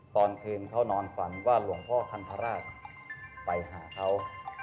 ตอนนี้เธอนอนฝันว่าหลวงพ่อท่านพระราชไปหาเขา